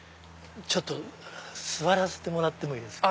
座らせてもらってもいいですか？